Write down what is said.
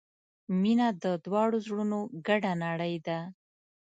• مینه د دواړو زړونو ګډه نړۍ ده.